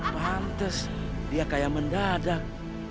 pantes dia kaya mendadak